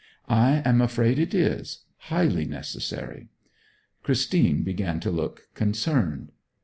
'I am afraid it is highly necessary.' Christine began to look concerned.